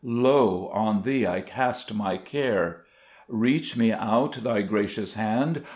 Lo, on Thee I cast my care ; Reach me out Thy gracious hand